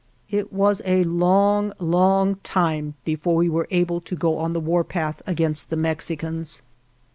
It was a long, long time before we were again able to go on the warpath against the Mexicans.